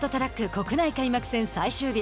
国内開幕戦最終日。